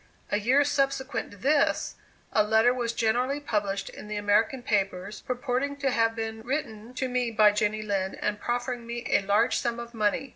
A year subsequent to this, a letter was generally published in the American papers, purporting to have been written to me by Jenny Lind, and proffering me a large sum of money.